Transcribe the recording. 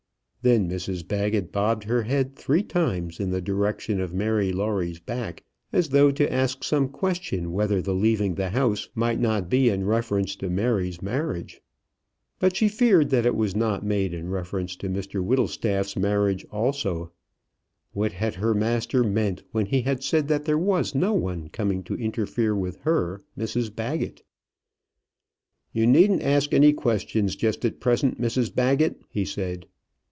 Then Mrs Baggett bobbed her head three times in the direction of Mary Lawrie's back, as though to ask some question whether the leaving the house might not be in reference to Mary's marriage. But she feared that it was not made in reference to Mr Whittlestaff's marriage also. What had her master meant when he had said that there was no one coming to interfere with her, Mrs Baggett? "You needn't ask any questions just at present, Mrs Baggett," he said.